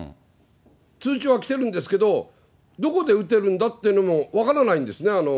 通知は来てるんですけど、どこで打てるんだっていうのも分からないんですね。